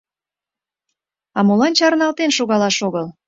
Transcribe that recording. А молан чарналтен шогалаш огыл?